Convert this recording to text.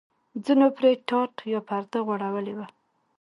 ځینو پرې ټاټ یا پرده غوړولې وه.